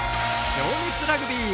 情熱ラグビー。